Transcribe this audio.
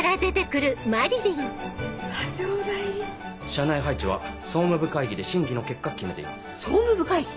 社内配置は総務部会議で審議の結果総務部会議？